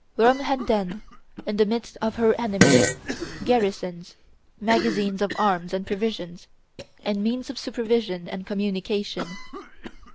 Rome had then, in the midst of her enemies, garrisons, magazines of arms and provisions, and means of supervision and communication.